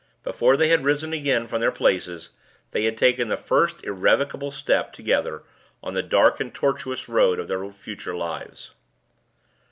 Before they had risen again from their places, they had taken the first irrevocable step together on the dark and tortuous road of their future lives.